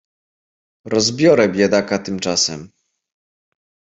"Rozbiorę biedaka tymczasem!"